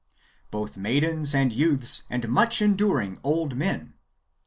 "Both maidens, and youths, and much enduring old men."